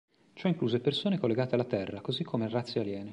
Ciò incluse persone collegate alla Terra così come razze aliene.